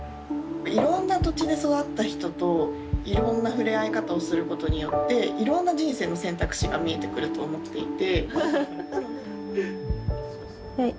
いろんな土地で育った人といろんな触れ合い方をすることによっていろんな人生の選択肢が見えてくると思っていて。